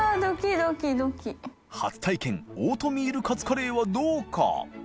秉藺慮オートミールカツカレーはどうか？